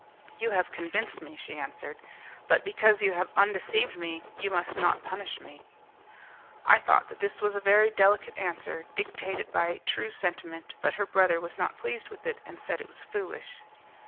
"You have convinced me," she answered, "but, because you have undeceived me, you must not punish me." I thought that this was a very delicate answer, dictated by true sentiment; but her brother was not pleased with it, and said it was foolish.